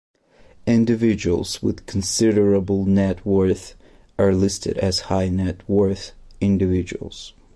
Individuals with considerable net worth are listed as High-net-worth individuals.